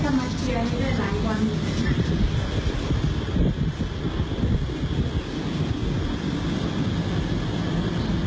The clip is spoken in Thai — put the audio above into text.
ทำไมเจียงให้เริ่มไหลกว่านี้นะ